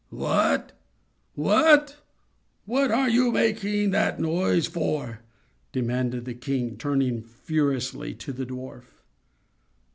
"What—what—what are you making that noise for?" demanded the king, turning furiously to the dwarf.